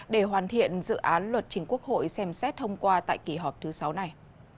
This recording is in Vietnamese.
để hoàn thiện dự án luật chính quốc hội xem xét thông qua tại kỳ họp thứ sáu này